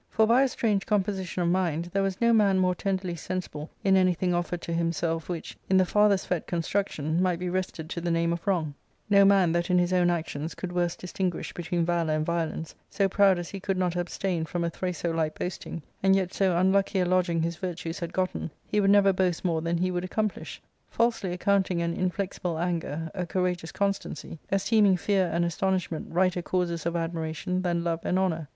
For, by a strange composition of mind, there was no man more tenderly sensible in anything offered to himself which, in the farthest fet construction, might be wrested to the name of wrong ; no man that in his own actions could worse distinguish between valour and violence ; so proud as he could not abstain from a Thraso like boasting, and yet, so unlucky a lodging his virtues had gotten, he would never boast more than he would accomplish ; falsely account ing an inflexible anger a courageous constancy ; esteeming fear and astonishment righter causes of admiration than love and honour.